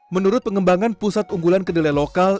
menurut pengembangan pusat unggulan kedelai lokal